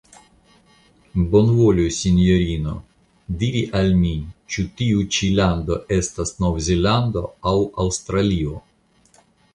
Bonvolu, Sinjorino, diri al mi ĉu tiu ĉi lando estas Nov-Zelando aŭ Aŭstralio?